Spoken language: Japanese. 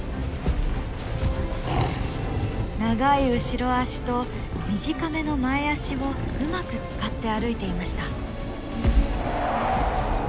長い後ろ足と短めの前足をうまく使って歩いていました。